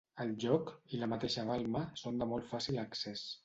El lloc, i la mateixa balma, són de molt fàcil accés.